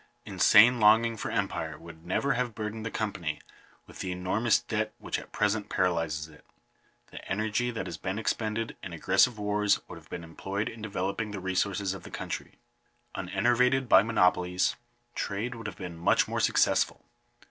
Insane longing for empire would never have burdened the Company with the enormous debt which at present paralyzes it. The energy that has been expended in aggressive wars would have been employed in developing the resources of the country. Unenervated by monopolies, trade would have been much more successful.